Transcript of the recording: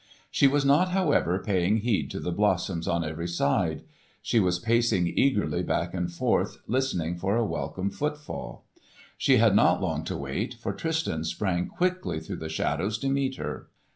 She was not, however, paying heed to the blossoms on every side. She was pacing eagerly back and forth listening for a welcome footfall. She had not long to wait, for Tristan sprang quickly through the shadows to meet her.